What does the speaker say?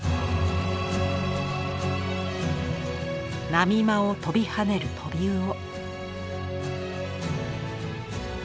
波間を跳びはねるトビウオ。